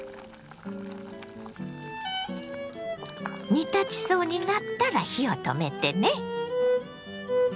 煮立ちそうになったら火を止めてね。